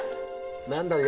何だろう？